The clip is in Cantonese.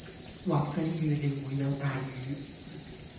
或者預料會有大雨